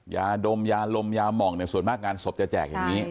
ยาดมยาลมยาหม่องเนี่ยส่วนมากงานศพจะแจกอย่างนี้